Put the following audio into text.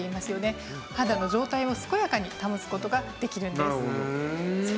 肌の状態を健やかに保つ事ができるんです。